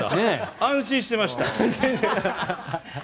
安心してました。